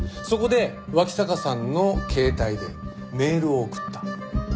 そこで脇坂さんの携帯でメールを送った。